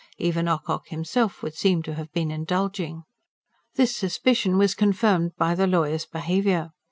Even Ocock himself would seem to have been indulging. This suspicion was confirmed by the lawyer's behaviour.